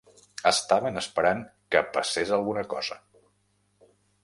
Estaven esperant que "passés alguna cosa".